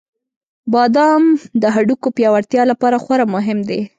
• بادام د هډوکو پیاوړتیا لپاره خورا مهم دی.